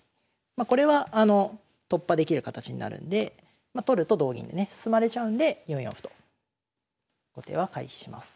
まこれはあの突破できる形になるんで取ると同銀でね進まれちゃうんで４四歩と後手は回避します。